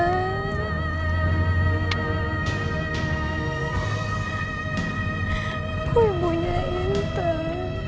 aku ibunya intan